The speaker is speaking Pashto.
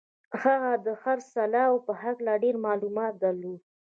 هغه د خرڅلاو په هکله ډېر معلومات درلودل